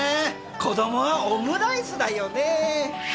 子供はオムライスだよね！